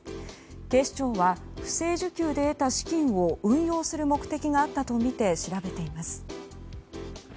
警視庁は不正受給で得た資金を運用する目的があったとみて調べています。